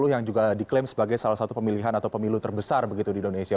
yang juga diklaim sebagai salah satu pemilihan atau pemilu terbesar begitu di indonesia